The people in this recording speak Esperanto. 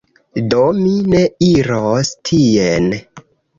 Do, mi ne iros tien